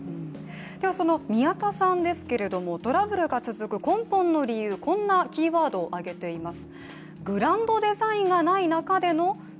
その宮田さんですけれどもトラブルが続く根本の理由、こんなキーワードを挙げています。